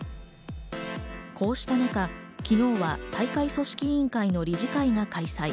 こうした中、昨日は大会組織委員会の理事会が開催。